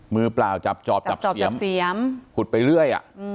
มือเปล่าจับจอบจับเสียมขุดไปเรื่อย